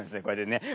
これでね。